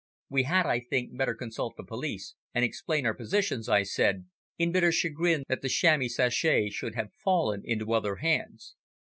"We had, I think, better consult the police, and explain our suspicions," I said, in bitter chagrin that the chamois sachet should have fallen into other hands.